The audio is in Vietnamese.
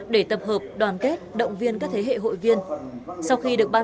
để tập hợp đoàn kết động viên các thế hệ hội viên